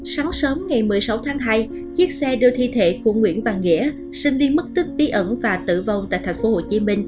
sáng sớm ngày một mươi sáu tháng hai chiếc xe đưa thi thể của nguyễn văn nghĩa sinh viên mất tích bí ẩn và tử vong tại tp hcm